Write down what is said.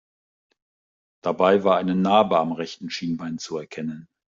Dabei war eine Narbe am rechten Schienbein zu erkennen.